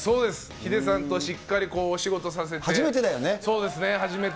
ヒデさんとしっかりお仕事させていただいて。